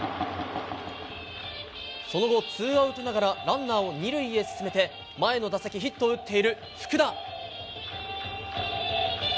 その後、ツーアウトながらランナーを２塁に進めて前の打席ヒットを打っている福田。